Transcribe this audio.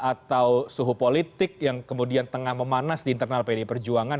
atau suhu politik yang kemudian tengah memanas di internal pdi perjuangan